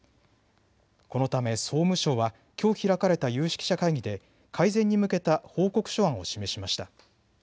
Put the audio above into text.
このため総務省はきょう開かれた有識者会議で改善に向けた報告書案を示しました。